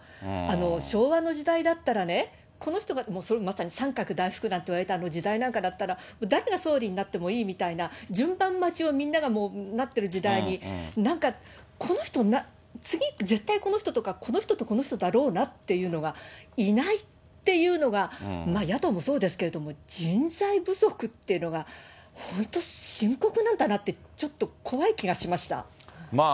昭和の時代だったらね、この人が、まさに三角大福なんて言われたあの時代なんかだったら、誰が総理になってもいいみたいな順番待ちをみんなが待ってる時代になんか、この人、次絶対この人とか、この人とこの人だろうなっていう人がいないっていうのが、野党もそうですけれども、人材不足っていうのが、本当、深刻なんだなって、ちょっと怖い気がしました。